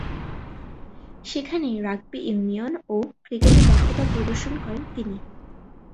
সেখানেই rugby union ও ক্রিকেটে দক্ষতা প্রদর্শন করেন তিনি।